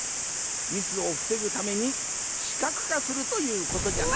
ミスをふせぐために視覚化するということじゃな。